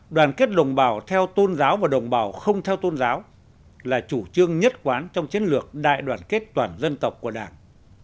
đoàn kết đồng bào theo tôn giáo và đồng bào không theo tôn giáo là chủ trương nhất quán trong chiến lược đại đoàn kết toàn dân tộc của đảng